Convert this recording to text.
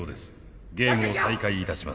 ゲームを再開いたします。